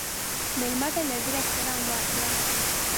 مېلمه ته له زړه احترام ورکړه.